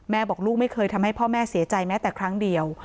บอกลูกไม่เคยทำให้พ่อแม่เสียใจแม้แต่ครั้งเดียว